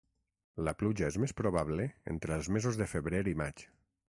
La pluja és més probable entre els mesos de febrer i maig.